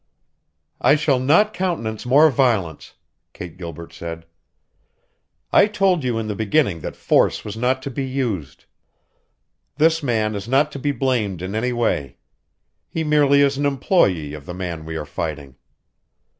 "I shall not countenance more violence!" Kate Gilbert said. "I told you in the beginning that force was not to be used. This man is not to be blamed in any way. He merely is an employee of the man we are fighting."